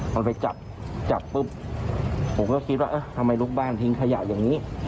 มันไปจับจับปุ๊บผมก็คิดว่าเออทำไมลูกบ้านทิ้งขยะอย่างนี้